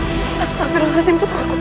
pasti tak perlu ngasih putraku